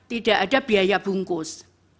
tidak ada biaya bungkus